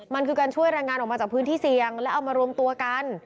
มันคือการช่วยแรงงานออกมาจากพื้นที่เสี่ยงและเอามารวมตัวกัน